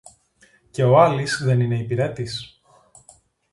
Και ο Άλης δεν είναι υπηρέτης;